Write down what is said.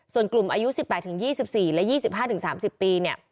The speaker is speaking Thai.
ส่วนกลุ่มอายุ๑๘๒๔และ๒๕๓๐ปีเนี่ย